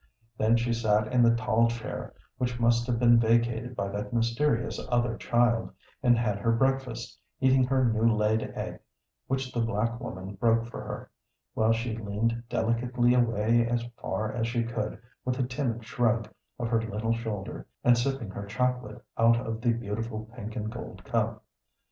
Then she sat in the tall chair which must have been vacated by that mysterious other child, and had her breakfast, eating her new laid egg, which the black woman broke for her, while she leaned delicately away as far as she could with a timid shrug of her little shoulder, and sipping her chocolate out of the beautiful pink and gold cup.